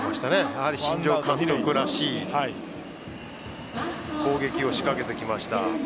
やはり新庄監督らしい攻撃を仕掛けてきました。